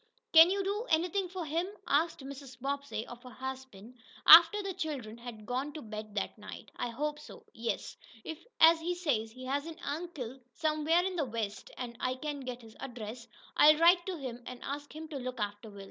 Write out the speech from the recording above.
"Can you do anything for him?" asked Mrs. Bobbsey of her husband, after the children had gone to bed that night. "I hope so, yes. If, as he says, he has an uncle somewhere in the West, and I can get his address, I'll write to him, and ask him to look after Will.